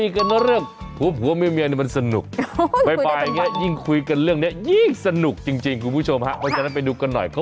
คราวป็อตที่สิขนาดพี่ยากอยากจำกับแบบเสมอไม่มีอะไรนะคะ